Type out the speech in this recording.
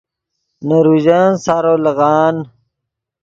نے روژن سارو لیغان